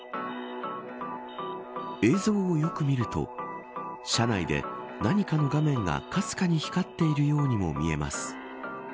映像をよく見ると車内で何かの画面がかすかに光っているようにも見えます。